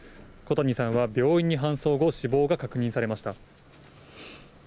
小谷さんは病院に搬送後、死亡が確認されました。